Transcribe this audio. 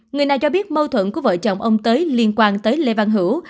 người này cho biết mâu thuẫn của vợ chồng ông tới liên quan tới lê văn hữu